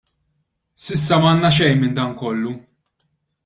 S'issa m'għandna xejn minn dan kollu.